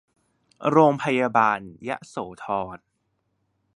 โรงพยาบาลยโสธร